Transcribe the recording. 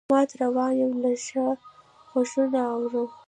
مات روان یمه له شا غــــــــږونه اورم